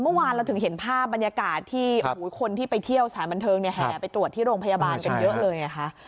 เมื่อวานเราถึงเห็นภาพบรรยากาศที่คนที่ไปเที่ยวสถานบันเทิงเนี่ยแห่ไปตรวจที่โรงพยาบาลกันเยอะเลยไงคะ